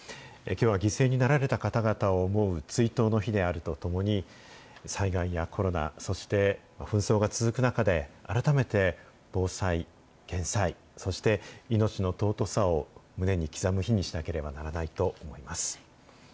きょうは犠牲になられた方々を思う追悼の日であるとともに、災害やコロナ、そして紛争が続く中で、改めて防災・減災、そして命の尊さを胸に刻む日にしなければならないと思います。